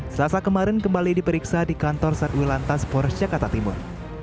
selasa kemarin kembali diperiksa di kantor sarwilantas polres jakarta timur